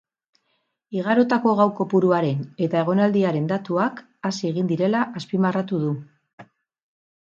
Igarotako gau kopuruaren eta egonaldiaren datuak hazi egin direla azpimarratu du.